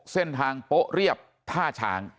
๖เส้นทางโปะเรียบท่าช้าง